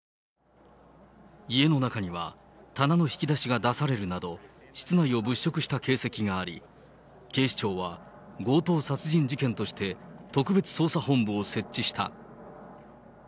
家の中には、棚の引き出しが出されるなど、室内を物色した形跡があり、警視庁は、強盗殺人事件として、特別捜査本部を設置した。